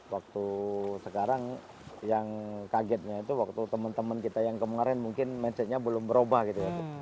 waktu sekarang yang kagetnya itu waktu teman teman kita yang kemarin mungkin message nya belum berubah gitu ya